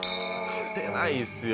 勝てないっすよ